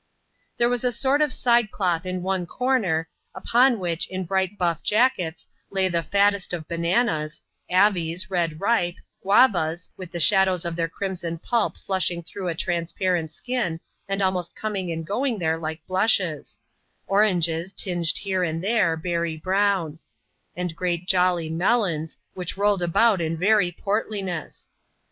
There was a sort of side cloth in one corner, upon which, in bright buff jackets, lay the fattest of bananas ;" avees," red ripe ; guavas, with the shadows of their crimson pulp flushing through a transparent skin, and almost coming and going there like blushes ; oranges, tinged here and there, berry brown ; and great jolly melons, which rolled about in very portliness.